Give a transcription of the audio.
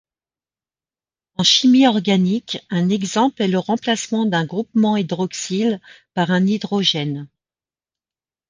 En chimie organique, un exemple est le remplacement d'un groupement hydroxyle par un hydrogène.